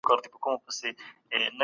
تاريخ هم د ټولنيزو علومو په ډله کي راځي.